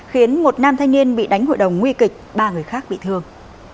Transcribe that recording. khiến một nam thanh niên bị đánh hội đồng nguy kịch ba người khác bị thương